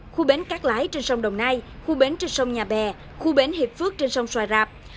khu bến cát lái trên sông đồng nai khu bến trên sông nhà bè khu bến hiệp phước trên sông xoài rạp